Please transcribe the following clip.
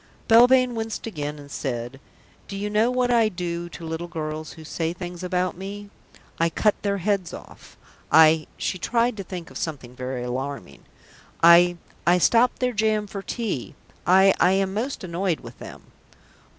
Belvane winced again, and said, "Do you know what I do to little girls who say things about me? I cut their heads off; I " She tried to think of something very alarming! "I I stop their jam for tea. I I am most annoyed with them."